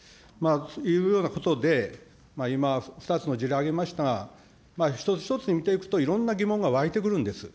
いうようなことで、今、２つの事例挙げましたが、一つ一つ見ていくと、いろんな疑問がわいてくるんです。